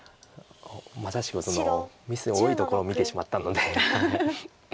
まさしくミスが多いところを見てしまったので。